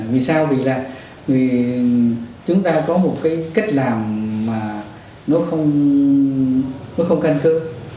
vì sao vì chúng ta có một cách làm mà nó không canh cơ